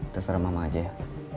terserah mama aja ya